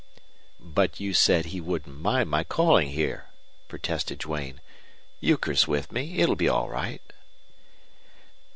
"But you said he wouldn't mind my calling here," protested Duane. "Euchre's with me. It'll be all right."